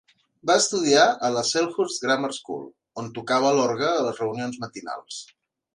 Va estudiar a la Selhurst Grammar School, on tocava l'orgue a les reunions matinals.